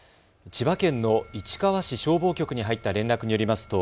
千葉県の市川市消防局に入った連絡によります